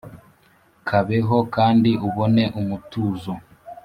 kabeho kandi ubone umutuzo